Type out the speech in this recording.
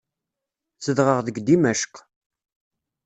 Zedɣeɣ deg Dimecq.